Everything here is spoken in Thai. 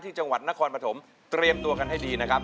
จังหวัดนครปฐมเตรียมตัวกันให้ดีนะครับ